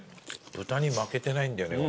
豚に負けてないんだよね